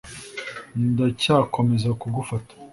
ndacyakomeza kugufata